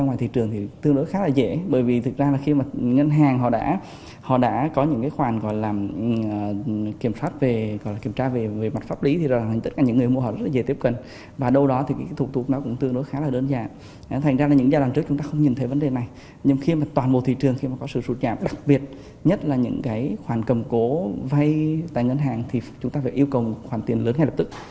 nhiều công khoản tiền lớn ngay lập tức